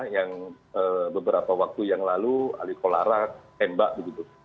yang beberapa waktu yang lalu alikolarak tembak begitu